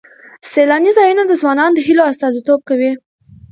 سیلاني ځایونه د ځوانانو د هیلو استازیتوب کوي.